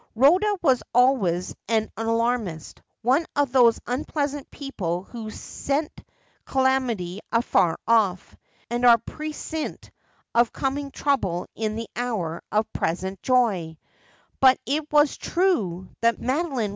Rhoda was always an alarmist — one of those unpleasant people who scent calamity afar off, and are prescient of coming trouble in the hour of present joy ; but it was true that Madeline v.'